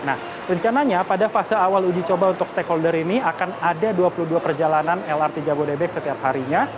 nah rencananya pada fase awal uji coba untuk stakeholder ini akan ada dua puluh dua perjalanan lrt jabodebek setiap harinya